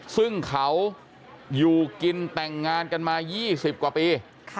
ซึ่งเขาอยู่กินแต่งงานกันมา๒๐กว่าปี